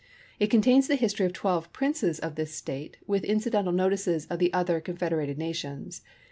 It contains the history of twelve princes of this State with incidental notices of the other confederated nations.